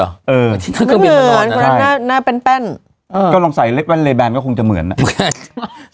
เออที่นั่งเครื่องบินมานอนอ่ะน่าเป็นแป้นเออก็ลองใส่เล็กแว่นเรยแบนก็คงจะเหมือนอ่ะ